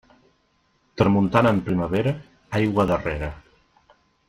Tramuntana en primavera, aigua darrera.